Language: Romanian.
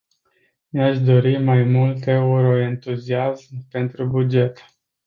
Mi-aș dori mai mult euroentuziasm pentru buget.